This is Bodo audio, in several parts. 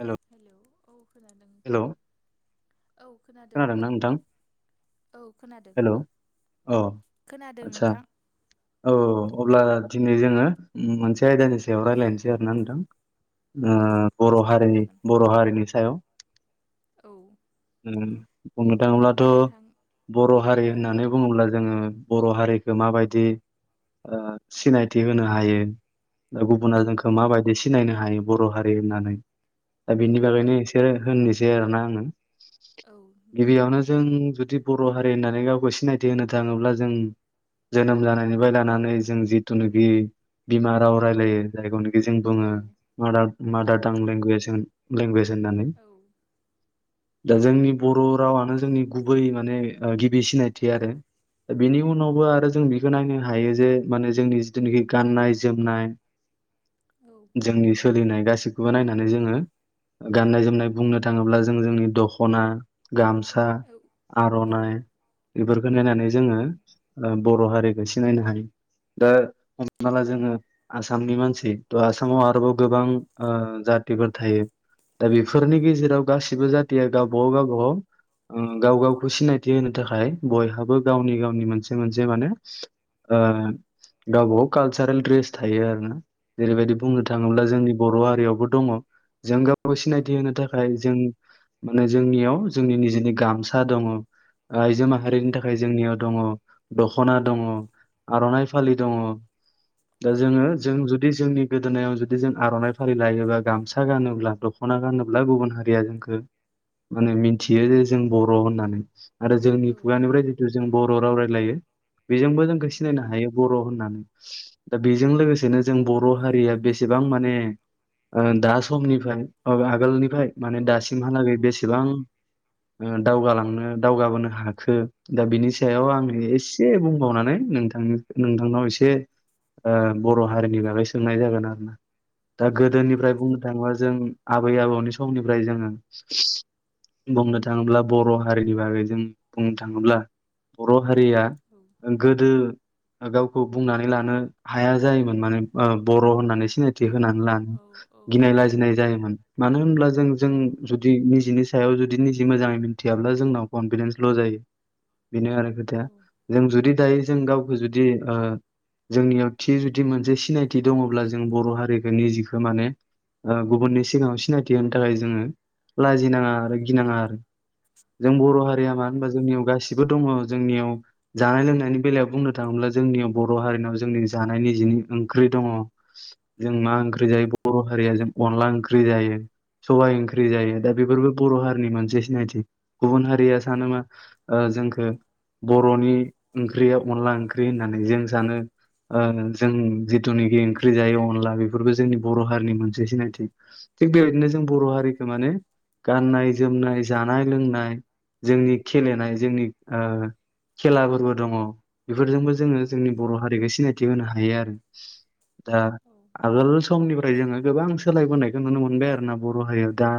हेलौ हेलौ औ खोनादों नोंथां औ खोनादों नोंथां औ खोनादों हेल' औ खोनादों आदसा नोंथां औ औ अब्ला दिनै जोङो मोनसे आयदानि सायाव रायलायनोसै आरो ना नोंथां। ओ औ बर' हारिनि सावरायजागोन बर' हारिनि सायाव औ उ बुंनो थाङोब्लाथ' नोंथां बर' हारि औ होननानै बुङोब्ला जोङो बर' हारिखो माबायदि ओ सिनायथि होनो हायो गुबुना औ जोंखौ माबायदि सि सिनायनो हायो बर' हारि होननानै दा बिनि औ बागैनो एसे होननोसै आरो ना आङो औ नोंथां गिबिआवनो जों जुदि बर' हारि होननानै गावखौ सिनायथि होनो थाङोब्ला जों जोनोम जानायनि बिबाय लानानै जों जिथुनाखि बिमा राव रायलायो जायखौनोखि जों बुङो औ माडार औ माडार थां लेंगुवेज लेंगुवेज होननानै। औ दा जोंनि बर रावानो जोंनि गुबै माने ओ गिबि सिनायथि आरो बेनि उनावबो आरो जों बेखो नायनो हायो जे माने जोंनि जिथुनोखि गाननाय जोमनाय। औ जोंनि सोलिनाय गाैसिखौबो नायनानै जोङो गान्नाय जोमनाय बुंनो थाङोब्ला जों जोंनि दखना गामसा आ आरनाइ बेफोरखौ नायनानै जोङो ओ बर' हारिखौ सिनायनो हायो दा हमनाला जोङो आसामनि मानसि थ आसामाव आरोबाव गोबां ओ जातिफोर थायो। दा बेफोरनि गेजेराव गासिबो जातिया गावबागाव गावबागाव उम गाव गावखौ सिनायथि होनो थाखाय बयहाबो गावनि गावनि मोनसे मोनसे माने ओ गावबा गाव कालसारेल ड्रेस थायो आरो ना जेरैबायदि बुंनो औ थाङोब्ला जोंनि बर' हारियावबो दङ जों गावखौ सिनायथि होनो था [unintelligible] जों माने जोंनियाव जोंनि निजेनि गामसा दङ आइजो माहारिनि थाख ओइ जोंनियाव दङ दखना दङ आरनाइ फालि दङ दा जोङो जों जुदि जोंनि गोदोनायाव जुदि जों आरनाइ फारि लायोबा गामसा गानोब्ला दख खना गानोब्ला गुबुन हारिया जोंखो माने मिथियो जे जों बर' होननानै। आरो जोंनि खुगानिफ्राय जिथु जों बर' राव रायलायो बेजोंबो जोंखो हायो बर' होननानै दा बेजों लोगोसेनो जों बर' हारिया बेसेबां माने ओ दा समनिफ्राय आगोलनिफ्राय माने दासिमहालागै बेसेबां दावगालांनो दावगाबोनो हाखो दा बिनि सायाव आङो एसे बुंबावनानै नोंथां नोंथांनाव एसे ओ बर' हारिनि बागै सोंनाय जागोन आरो ना दा औ औ गोदोनिफ्राय बुंनो जागोन थाङोबा नोंथां जों आबै आबौनि समनिफ्राय जोङो बुंनो थाङोब्ला बर' हारिनि बागै जों बुंनो थाङोब्ला बर' हारिया औ ओ गोदो ओ गावखौ बुंनानै लानो हाया जायोमोन माने ओ बर' होननानै सिनाय थि होनानै लानो औ औ औ गिनाय नंगौ लाजिनाय जायोमोन मानो होनब्ला जों जों औ जु दि निजिनि सायाव जुदि निजि मोजाङै मिथियाब्ला जोंनाव कनफिदेन्स ल' जायो बेनो आरो खोथाया औ जों जुदि दायो जों औ गावखौ जुदि ओ जोंनियाव थि जुदि मोनसे सिनायथि दङब्ला जों बर' हारिखो निजिखो माने ओ गुबुननि सिगाङाव सिनायथि होनो थाखाय जोङो लाजिनाङा आरो गिनाङा आरो जों बर' औ हारिया मानो होनबा नंगौ जोंनियाव गासिबो दङ जोंनियाव जानाय लोंनायनि बेलायाव बुंनो थाङोब्ला जोंनियाव बर' हारिनाव जोंनि जानाय निजेनि ओंख्रि दङ। जों मा औ ओंख्रि जायो बर' हारिया जों अनला ओंख्रि जायो। सबाय ओंख्रि औ जायो दा बेफोरबो बर' हारिनि मोनसे सिनायथि। गुबुन हारिया औ सानो मा ओ जोंखो बर'नि ओंख्रिया अनला ओं ख्रि होननानै जों सानो ओ जों जिथुनाखि ओंख्रि जायो अनला बेफोरबो जोंनि बर' हारिनि मोनसे सिनायथि। थिग बेबायदिनो जों बर' हारिखो माने गाननाय जोमनाय जानाय लोंनाय जोंनि खेलेनाय जोंनि ओ खेलाफोरबो दङ। फोरजोंबो जोङो औ जोंनि बर' हारिखो सिनायथि होनो हायो आरो दा आगोल समनिफ्राय जोङो गोबां सोलायबोनायखौ नुनो मोनबाय आरोोना बर' हारियाव दा।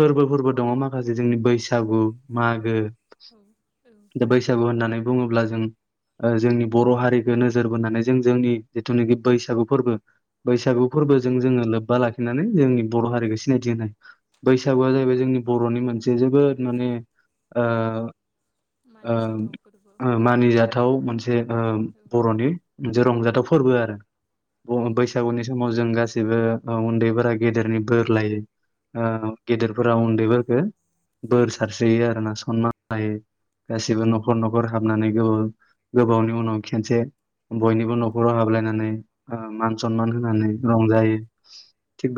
फोरबोफोरबो दङ माखासे जोंनि बैसागु मागो। औ औ। दा बैसागु होननानै बुङोब्ला जों। जोंनि बर' हारिखौ नोजोर बोनानै जों जोंनि जिथुनाखि बैसागु फोरबो। बैसागु औ फोरबोजों जोङो लाखिनानै जोंनि बर' हारिखौ होनाय। बैसागुआ जाहैबाय जोंनि बर'नि मोनसे जोबोद माने ओ। मानिजाथाव फोरबो औ मानिजाथाव मोनसे औ बर'नि। रंजाथाव फोरबो आरो औ बैसागुनि समाव जों गासैबो। गेबो उन्दैफोरा गेदेरनि बोर लायो गेदेरफोरा उन्दैफोरखौ। बोर सारस्रियो ना गासिबो न'खर न'खर हाबनानै गो गोबावनि उनाव खेनसे। बयनिबो न'खराव हाबलायनानै मान सनमान होनानै रंजायो।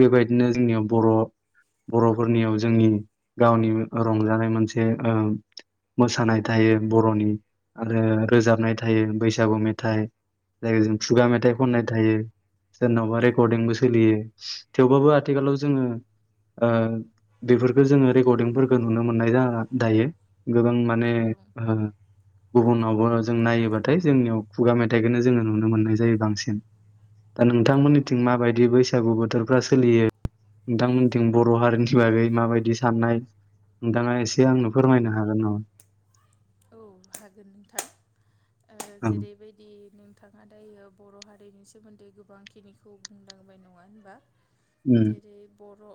बेबायदिनो बर' बर'फोरनियाव जोंनि रंजानाय मोनसे ओ। मोसानाय थायो बर'नि आरो। रोजाबनाय बैसागु मेथाइ जाय ज औ खुगा मेथाइ खननाय थायो। सोरनावबा थेवबाबो आथिखालाव जोङो ओ। बेफोरखौ जोङो रेकर्डिंफोरखौ नुनो मोननाय दायो गोबां माने ओ। गुबुनावबो जों नायोबाथाय जोंनियाव खुगा मेथाइखौनो जोङो नुनो मोननाय जायो बांसिन। दा नोंथांमोननिथिं माबायदि बैसागु बोथोरफ्रा सोलियो। नोंथांमोनथिं बर' हारिनि बागै माबायदि साननाय। नोंथाङा एसे औ आंनो फोरमायनो हागोन नामा। हागोन नोंथां औ जेरैबायदि नों। थाङा दायो बर' हारिनि सोमोन्दै गोबांखिनिखौ बुंलांबाय नङा होनबा। उम जेरै बर'।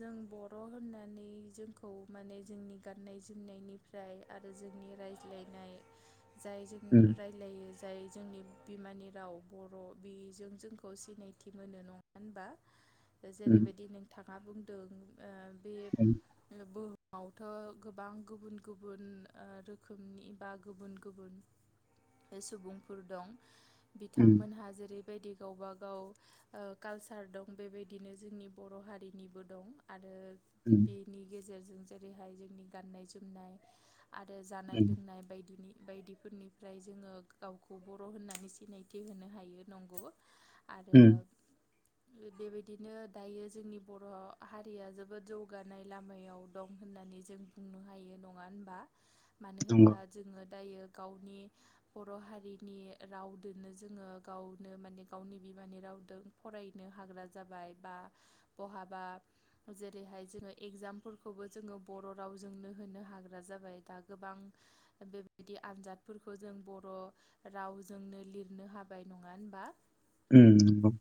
जों बर' होननानै जोंखौ माने जोंनि गाननाय जोमनायनि ओमफ्राय आरो जोंनि रायज्लायनाय जाय जों। उम रलायो जाय जोंनि बिमानि राव बर' बिजों जोंखौ सिनायथि मोनो नङा होनबा। [inaudible] जेरैबायदि नोंथाङा बुंदों बे बुहुमावथ' गोबां गुबुन गुबुन रोखोम रोखोमनि बा गुबुन गुबुन सुबुंफोर दं। उम बिथांमोनहा जेरैबायदि गावबाागाव। ओ कालसार दं बेबायदिनो जोंनि बर' हारिनिबो दं आरो। उम बेनि गेजेरजों जेरैहाय जोंनि गाननाय जोमनाय आरो। जानाय उम लोंनाय बायदिनि बायदिफोरनिफ्राय जोङो गावखौ बर' होननानै सिनायथि होनो हायो नंगौ। आरो। उम बेबायदिनो दायो जोंनि बर' हारिया जोबोद जौगानाय लामायाव दं होननानै जों बुंनो हायो नङा होनबा मानो नंगौ होनबा जोङो दायो गावनि बर' हारिनि रावदोनो जोङो गावनो माने गावनि बिमानि रावजों फरायनो हाग्रा जाबाय बा बहाबा जेरैहाय जोङो एगजामफोरखौबो जोङो बर' रावजोंनो होनो हाग्रा जाबाय दा गोबां बेबायदि आनजादफोरखौ जों बर' रावजोंनो लिरनो हाबाय नङा होनबा उम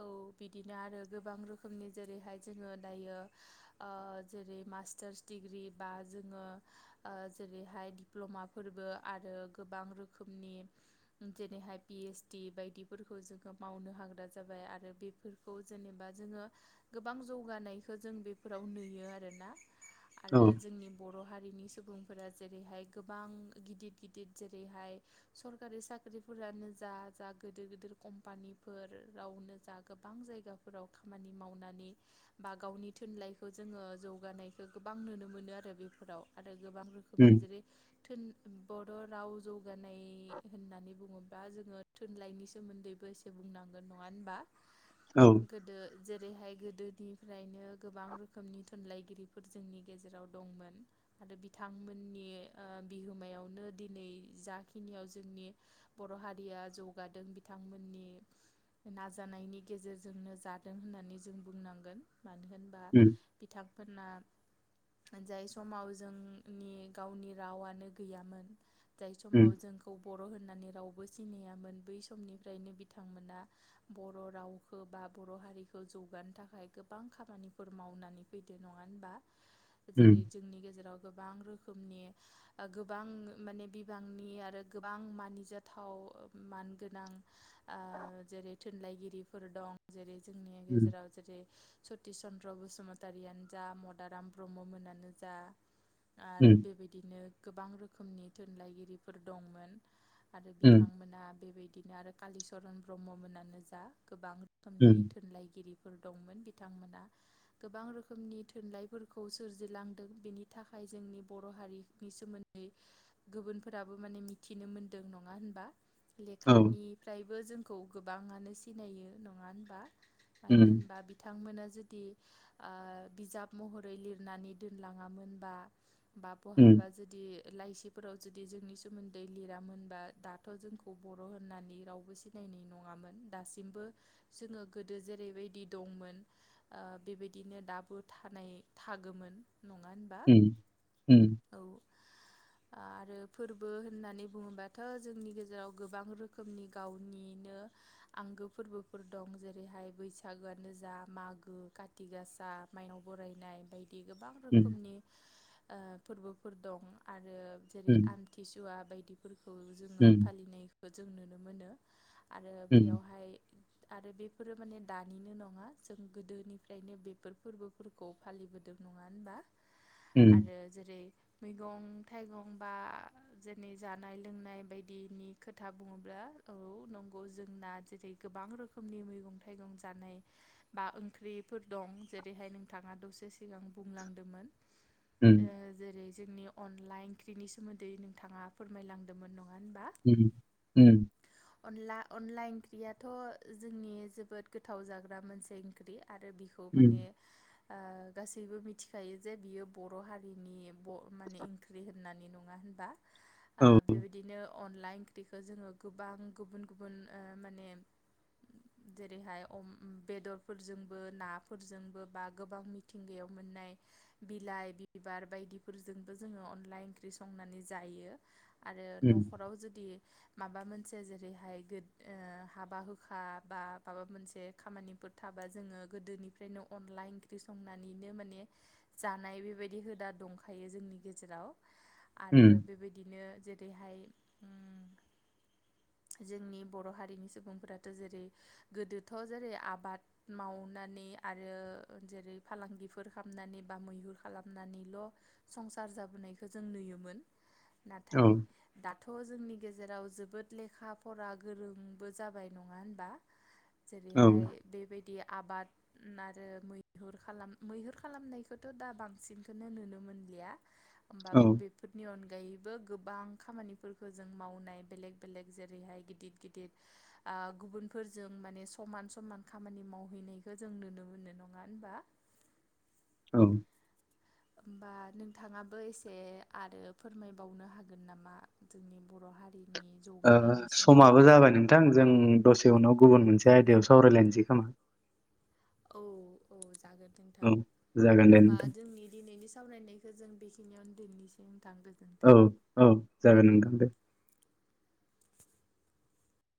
औ बिदिनो आरो गोबां रोखोमनि जेरैहाय जोङो दायो ओ जेरै मास्टार्स डिग्रि बा जोङो ओ जेरैहाय दिप्ल'माफोरबो आरो गोबां रोखोमनि जेरैहाय पि एइस डि बायदिफोरखौ जोङो मावनो हाग्रा जाबाय आरो बेफोर खौ जेनेबा जोङो गोबां जौगानायखौ जों बेफोराव नुयो आरोना औ आरो जोंनि बर' हारिनि सुबुं फोरा जेरैहाय गोबां गिदिर गिदिर जेरैहाय सरकारि साख्रिफोरानो जा जा गिदिर गिदिर कम्पानिफोरावनो जा गोबां जायगा फोराव खामानि मावनानै बा गावनि थुनलाइखौ जोङो जौगानायखौ गोबां नुनो मोनो आरो बेफोराव आरो गो बांरो खोमनि उम जेरै बर' राव जौगानाय होननानै बुङोबा जोङो थुनलाइनि सोमोन्दैबो बुंनांगोन नङा होनबा? औ गोदो जेरैहाय गोदोनिफ्रायनो गोबां रोखोमनि थुनलाइगिरिफोर जोंनि गेजेराव दंमोन आरो बिथांमोन नि बिहोमायावनो दिनै जाखिनियाव जोंनि बर' हारिया जौगादों बिथांमोननि नाजानायनि गेजेरजोंनो जादों होननानै जों बुंनांगोन [unintelligible] बा उम बिथांमोनना जाय समाव जोंनि गावनि रावानो गैयामोन जाय उम समाव जों खौ बर' होननानै रावबो सिनायामोन बै समनिफ्रायनो बिथांमोना बर' रावखौ बा बर' हारिखौ जौगानो थाखाय गोबां खामानिफोर मावनानै बिदि नङा होनबा [inaudible] जेरै जोंनि गेजेराव गोबां रोखोमनि गोबां माने बिबांनि आरो गोबां मानिजाथाव मानगोनां ओ जेरै थुनलाइगिरिफोर दं जेरै जोंनि उम गेजेराव जेरै सतिस चन्द्र बसुमतारियानो जा मदाराम ब्रह्म मोनानो जा आरो उम बेबायदिनो गोबां रोखोमनि थुनलाइगिरिफोर दंमोन आरो उम बिथांमोना बेबायदिनो आरो कालिचरन ब्रह्म मोनानो जा गोबां [unintelligible] उम थुनलाइगिरि फोर दंमोन बिथांमोना गोबां रोखोमनि थुनलाइफोरखौ सोरजिलांदों बेनि थाख खाय जोंनि बर' हारिनि सोमोन्दै गुबुनफोराबो माने मिथिनो मोनदों नङा होनबा? औ लेखानिफ्रायबो जोंखौ गोबां आनो सिनायो नङा होनबा मानो उम होनबा बि थांमोना जुदि ओ बिजाब महरै लिरनानै दोनलाङामोनबा बा उम बहाबा जुदि लाइसिफोराव जुदि जोंनि सोमोन्दै लिरामोनबा दाथ' जोंखौ बर' होननानै रावबो सि नायनाय नङामोन दासिमबो जोङो गोदो जेरैबायदि दंमोन ओ बेबायदिनो दाबो थानाय थागोन नङा होनबा उम उम औ आरो फोरबो होन्नानै बुङोबाथ' जोंनि गेजेराव गोबां रोखोम [unintelligible] गावनिनो आंगो फोरबोफोर दं जेरैहाय बैसागोआनो जा मागो खाथिगासा माइनाव बरायनाय बायदि गोबां उम रोखोमनि फोरबोफोर दं आरो जेरै उम आमथिसुवा बायदि फोरखौ जोङो उम फालिनायखौ जों नुनो मोनो आरो उम बेयावहाय आरो बेफोरो माने दानिनो नङा जों गोदोनिफ्रायनो बेफोर फोरबो फोरखौ फालिबोदों नङा होनबा? उम आरो जेरै मैगं थाइगं बा जोंनि जानाय लोंनाय बायदिनि खोथा बुङोब्ला औ नंगौ जोंना जेरै गोबां रोखोमनि मैगं थाइगं जानाय बा ओंख्रिफोर दं जेरैहाय नोंथाङा दसे सिगां बुंलांदोंमोन। जेरै जोंनि अनला ओंख्रिनि सोमोन्दै नोंथाङा फोरमायलांदोंमोन नङा होनबा? उम। अनला अनला ओंख्रियाथ' जोंनि जोबोद गोथाव जाग्रा मोनसे ओंख्रि आरो बे उम माने गासैबो मिथिखायो जे बियो बर' हारि माने ओंख्रि होन्नानै नङा होनबा? औ बेबायदिनो अनला अनला ओंख्रिखो जोङो गोबां गुबुन गुबुन माने [inaudible] जेरैहाय बेदरफोरजोंबो नाफोरजोंबो बा गोबां मिथिंगायाव मोननाय बिलाइ बिबार बायदिफोरजोंबो जोङो अनला ओंख्रि संनानै जायो। आरो उम न'खराव जुदि माबा मोनसे जेरैहाय हाबा हुखा बा माबा मोनसे खामानिफोर थाबा जोङो गोदोनिफ्रायनो अनला ओंख्रि संनानैनो माने जानाय बेबायदि हुदा दंखायो जोंनि गेजेराव आरो उम बेबायदिनो जेरैहाय जोंनि बर'हारिनि सुबुंफोराथ जेरै गोदोथ' जेरै आबाद मावनानै आरो जेरै फालांगिफोर खालामनानै बा मैहुर खालाम [unintelligible] नानैल' संसार जाबोनायखौ जों नुयोमोन औ नाथाय दाथ' जोंनि गेजेराव जोबोद लेखा फरा गोरोंबो जाबाय नङा होनबा? [inaudible] जेरैहाय बेबायदि आबाद आरो [unintelligible] मैहुर खालामनायखौथ' दा बां बांसिनखौनो नुनो मोनलिया औ होमबाबो बे फोरनि अनगायैबो गोबां खामानिफोरखौ जों मावनाय बेलेक- बेलेक जेरैहाय गिदिर - गिदिर गुबुनफोरजों माने समान - समान खामानि मावहैनायखौ जों नुनो मोनो नङा होनबा? औ। होमबा नोंथाङाबो एसे आरो फोरमायबावनो हागोन नामा? जोंनि बर' हारिनि जौगानायनि समाबो सोमोन्दै जाबाय नोंथां जों दसे उनाव गुबुन मोनसे आयदायाव सावरायलायनोसै खोमा। औ औ जागोन नोंथां, औ जागोन दे होमबा नोंथां जोंनि दिनैनि सावरायनाय जों बेखिनियावनो दिनैसिम थांगोन औ औ जागोन नोंथां दे।